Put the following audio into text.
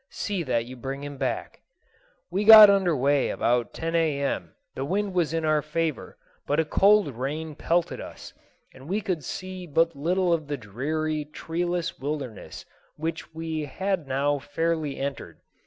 See that you bring him back." We got under way about 10 A.M. The wind was in our favor, but a cold rain pelted us, and we could see but little of the dreary, treeless wilderness which we had now fairly entered.